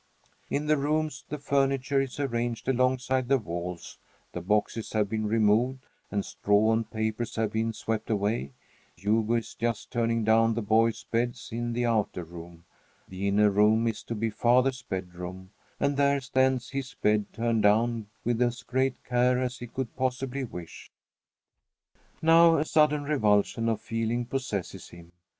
In the rooms the furniture is arranged alongside the walls, the boxes have been removed and straw and papers have been swept away. Hugo is just turning down the boys' beds in the outer room. The inner room is to be father's bedroom, and there stands his bed, turned down with as great care as he could possibly wish. Now a sudden revulsion of feeling possesses him.